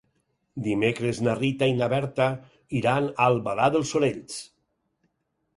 Dimecres na Rita i na Berta iran a Albalat dels Sorells.